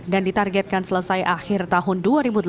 dan ditargetkan selesai akhir tahun dua ribu delapan belas